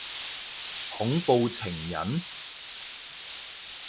恐怖情人？